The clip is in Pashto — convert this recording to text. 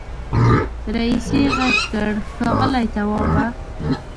رئيسې غږ کړ ښاغلی توابه.